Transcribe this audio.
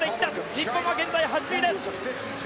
日本は現在８位です。